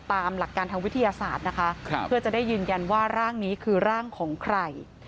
ตามหลักการทางวิทยาศาสตร์นะคะเพื่อจะได้ยืนยันว่าร่างนี้คือร่างของใคร